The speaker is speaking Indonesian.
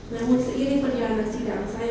namun seiring pernyataan sidang saya